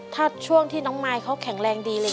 ถ้าช่วงที่น้องมายเขาแข็งแรงดีเลย